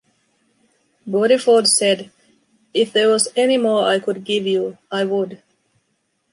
Bodiford said, If there was any more I could give you, I would.